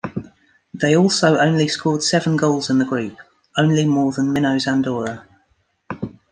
They also only scored seven goals in the group, only more than minnows Andorra.